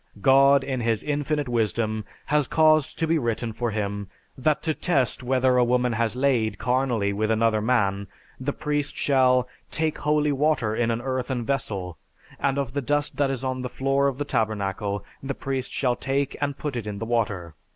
God in His infinite wisdom had caused to be written for Him, that to test whether a woman has laid carnally with another man, the priest shall, "take holy water in an earthen vessel, and of the dust that is on the floor of the tabernacle the priest shall take and put it in the water